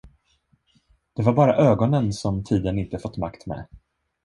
Det var bara ögonen, som tiden inte fått makt med.